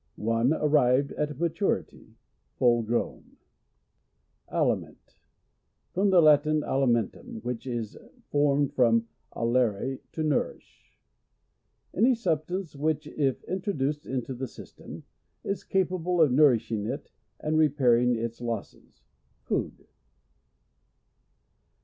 — One arrived at maturity — full grown. Ai.imf.nt. — From the Latin, alimen turn, which is formed from clere, to nourish. Any substance, which, if introduced into the system, is capable of nourishing it, and re pairing its losses. Food.